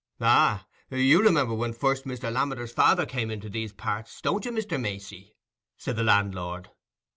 "Aye, you remember when first Mr. Lammeter's father come into these parts, don't you, Mr. Macey?" said the landlord.